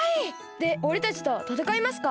でおれたちとたたかいますか？